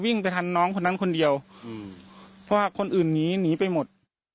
ไปทันน้องคนนั้นคนเดียวเพราะว่าคนอื่นหนีหนีไปหมด